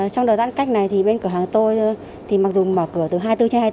trong đợt giãn cách này thì bên cửa hàng tôi thì mặc dù mở cửa từ hai mươi bốn trên hai mươi bốn